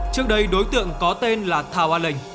trước đây đối tượng có tên là thảo an lệnh